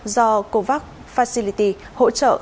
do covax facility hỗ trợ